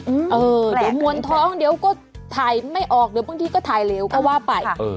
เออเดี๋ยวมวลท้องเดี๋ยวก็ถ่ายไม่ออกเดี๋ยวบางทีก็ถ่ายเร็วก็ว่าไปเออ